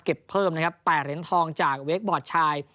เก็บเพิ่ม๘เหรียญทองจากเวทบอร์ดชาย